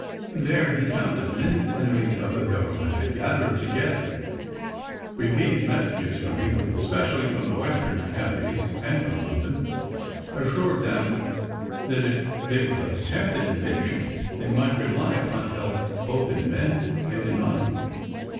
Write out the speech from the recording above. There he found that many enemies of the Government had gathered together. Repeated messages from England, especially from the western counties and from London, assured them that if they would but attempt an invasion they might rely upon help both in men and in money.